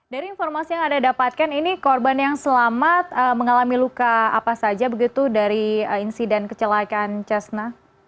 dari informasi yang anda dapatkan ini korban yang selamat mengalami luka apa saja begitu dari insiden kecelakaan cesna